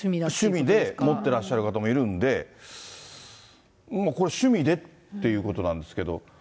趣味で持ってらっしゃる方もいるんで、これ、趣味でっていうことなんですけど。